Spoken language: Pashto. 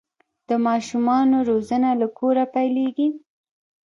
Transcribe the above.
د ماشومانو روزنه له کوره پیلیږي.